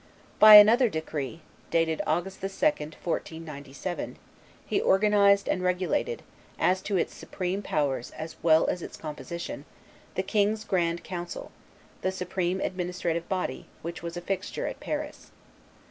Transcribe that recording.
By another decree, dated August 2, 1497, he organized and regulated, as to its powers as well as its composition, the king's grand council, the supreme administrative body, which was a fixture at Paris.